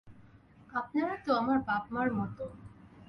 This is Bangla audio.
আপনারা তো আমার বাপ-মার মতো।